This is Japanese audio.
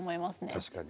確かに。